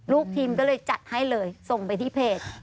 ลูกพิมพ์ก็เลยจัดให้เลยส่งไปที่เพจ